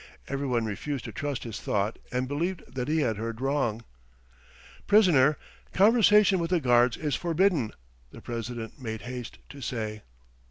Everyone refused to trust his thought and believed that he had heard wrong. "Prisoner, conversation with the guards is forbidden ..." the president made haste to say.